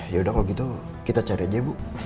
yaudah kalau gitu kita cari aja bu